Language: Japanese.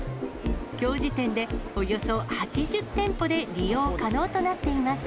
きょう時点でおよそ８０店舗で利用可能となっています。